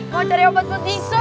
mau cari obat buat bisul